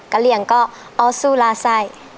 กะเหลี่ยงก็อสุลาไซด์